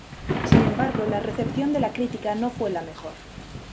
Sin embargo, la recepción de la crítica no fue la mejor.